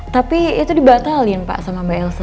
tapi itu dibatalin pak sama mbak elsa